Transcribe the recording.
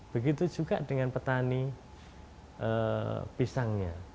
begitu juga dengan petani pisangnya